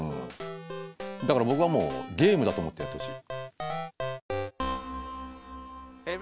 だから僕はもうゲームだと思ってやってほしい。